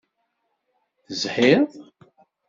Tezhiḍ?